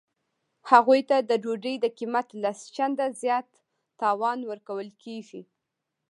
هغوی ته د ډوډۍ د قیمت لس چنده زیات تاوان ورکول کیږي